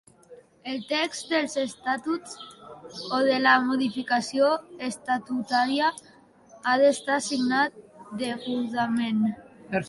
El text dels estatuts o de la modificació estatutària ha d'estar signat degudament.